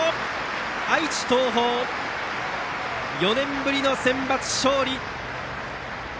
愛知・東邦４年ぶりのセンバツ勝利！